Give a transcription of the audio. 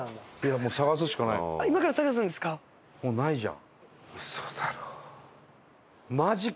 もうないじゃん。